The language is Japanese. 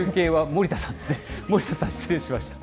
森田さん、失礼しました。